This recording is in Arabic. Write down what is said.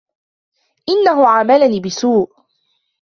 إنهُ عاملني بسوء.